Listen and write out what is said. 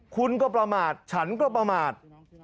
คุณก็ประมาทฉันก็ประมาท